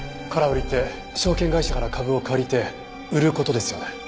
空売りって証券会社から株を借りて売る事ですよね？